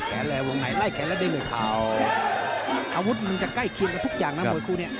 แขนและได้หมูขาวอาวุธมันจะใกล้ทีมกับทุกอย่างนะมวยคู่นี้